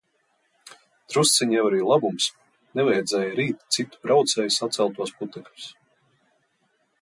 Drusciņ jau arī labums, nevajadzēja rīt citu braucēju saceltos putekļus.